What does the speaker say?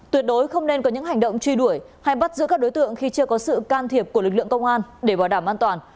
tuyệt đối không nên có những hành động truy đuổi hay bắt giữ các đối tượng khi chưa có sự can thiệp của lực lượng công an để bảo đảm an toàn